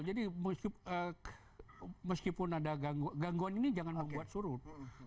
jadi meskipun ada gangguan ini jangan membuat surut